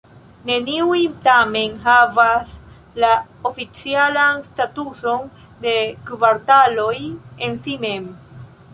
Neniuj tamen havas la oficialan statuson de kvartaloj en si mem.